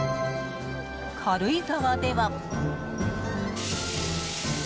軽井沢では。